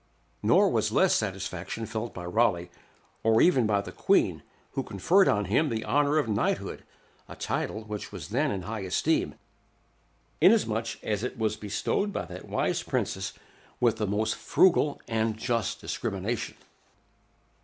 Nor was less satisfaction felt by Raleigh, or even by the Queen, who conferred on him the honor of knighthood, a title which was then in high esteem, inasmuch as it was bestowed by that wise princess with a most frugal and just discrimination.